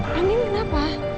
andi ini kenapa